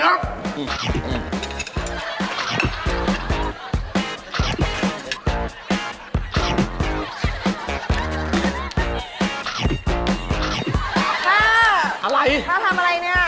ฮ่าฮ่าทำอะไรนี่อะไรนี่